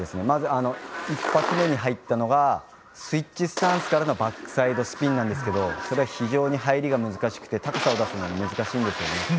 まず、１発目に入ったのがスイッチスタンスからのバックサイドスピンですがそれは非常に入りが難しくて高さを出すのが難しいんですね。